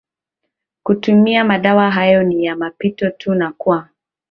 kutumia madawa haya ni ya mpito tu na kwa